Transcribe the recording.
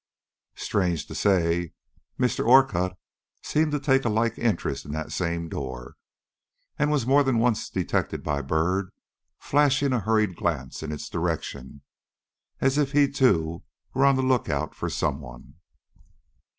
Strange to say, Mr. Orcutt seemed to take a like interest in that same door, and was more than once detected by Byrd flashing a hurried glance in its direction, as if he, too, were on the look out for some one.